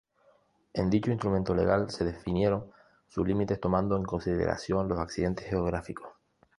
En dicho instrumento legal se definieron sus límites tomando en consideración los accidentes geográficos.